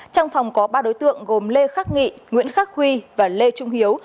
trong phòng có ba đối tượng gồm lê khắc nghị nguyễn khắc huy và lê trung hiếu